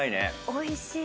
・おいしい。